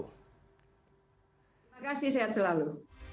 terima kasih sehat selalu